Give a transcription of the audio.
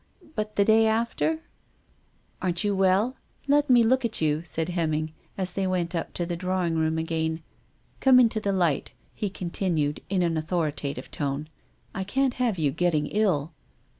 But the day after "" Aren't you well ? Let me look at you," said Hemming, as they went up to the draw ing room again. "Come into the light," he continued in an authoritative tone, when they had reached the drawing room. "I can't have you getting ill."